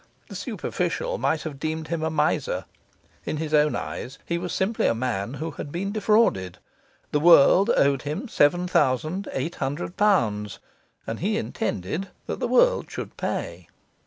The superficial might have deemed him a miser; in his own eyes he was simply a man who had been defrauded; the world owed him seven thousand eight hundred pounds, and he intended that the world should pay.